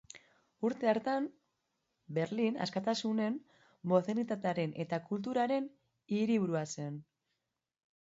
Urte hartan, Berlin askatasunen, modernitatearen eta kulturaren hiriburua zen.